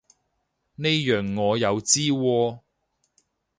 呢樣我又知喎